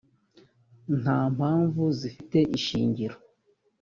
nta mpamvu zifite ishingiro